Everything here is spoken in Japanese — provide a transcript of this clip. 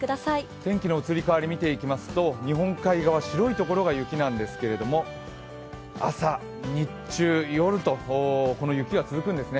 天気の移り変わりを見ていきますと、日本海側、白い所が雪なんですけれども、朝、日中、夜と、この雪が続くんですね。